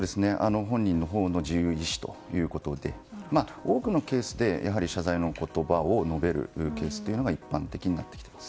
本人のほうの自由意思ということで多くのケースで謝罪の言葉を述べるケースが一般的になってきています。